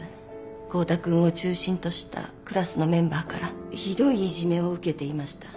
合田君を中心としたクラスのメンバーからひどいいじめを受けていました。